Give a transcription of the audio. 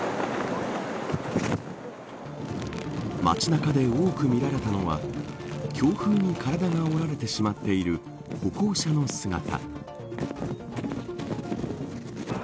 街中で多く見られたのは強風に体があおられてしまっている歩行者の姿。